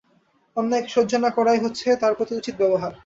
অন্যায়কে সহ্য না করাই হচ্ছে তার প্রতি উচিত ব্যবহার।